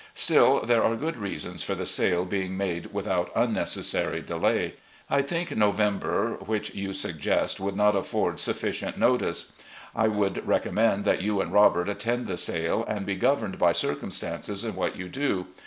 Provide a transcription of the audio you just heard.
Still there are good reasons for the sale being made without unnecessary delay. I think November, which you suggest, would not afford sufficient notice. I would recommend that you and Robert attend the sale, and be governed by circumstances in what you do.